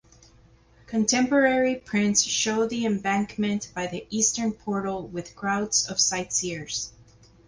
Contemporary prints show the embankment by the eastern portal with crowds of sightseers.